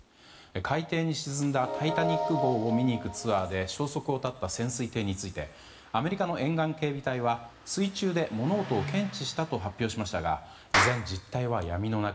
海底に沈んだ「タイタニック号」を見に行くツアーで消息を絶った潜水艇についてアメリカの沿岸警備隊は水中で物音を検知したと発表しましたが依然、実態は闇の中。